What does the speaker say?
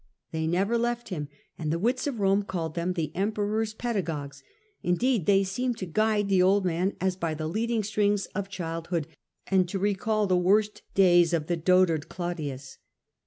They never left him, and the wits of Rome called them the Emperor's pedagogues ; indeed, they seemed to guide the old man as by the leading strings of childhood, and to recall the memory of the worst days of the dotard Claudius.